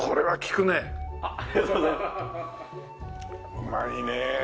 うまいね！